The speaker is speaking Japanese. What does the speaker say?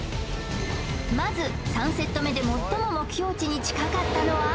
まず３セット目で最も目標値に近かったのは？